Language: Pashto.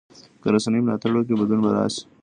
که رسنۍ ملاتړ وکړي بدلون به راشي.